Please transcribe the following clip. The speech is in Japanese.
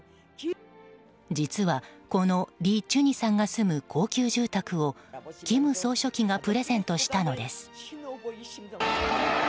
実はこのリ・チュニさんが住む高級住宅を金総書記がプレゼントしたのです。